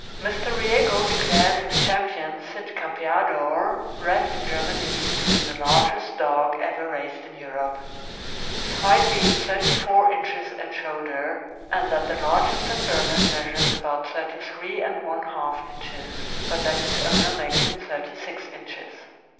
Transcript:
Mr. Riego declares his Champion Cid Campeador, bred in Germany, to be the largest dog ever raised in Europe— his height being thirty four inches at shoulder — and that the largest St. Bernard measures about thirty three and one half inches, but that his owner makes him thirty six inches.